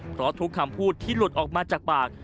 เพราะทุกคำพูดที่หลุดออกมาจากปาก